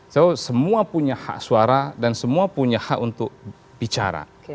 so semua punya hak suara dan semua punya hak untuk bicara